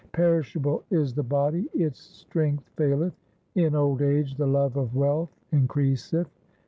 Perishable is the body, its strength faileth ; In old age the love of wealth increaseth.